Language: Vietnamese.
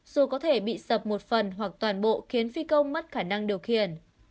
dù có thể bị sập một phần hoặc toàn bộ khiến phi công mất khả năng điều khiển